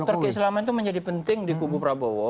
faktor keislaman itu menjadi penting di kubu prabowo